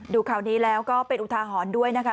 ดูข่าวนี้แล้วก็เป็นอุทาหรณ์ด้วยนะคะ